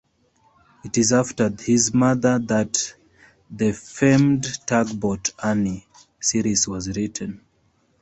It is after his mother that the famed "Tugboat Annie" series was written.